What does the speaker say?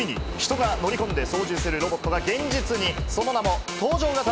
ついに人が乗り込んで、操縦するロボットが現実に！